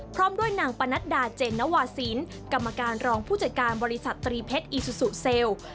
พร้อมด้วยนางปนัดดาเจนนวาสินกรรมการรองผู้จัดการบริษัทตรีเพชรอีซูซูเซลล์